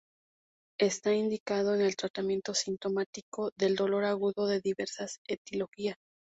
Está indicado en el tratamiento sintomático del dolor agudo de diversa etiología.